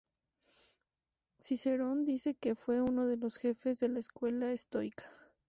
Cicerón dice que fue uno de los jefes de la escuela estoica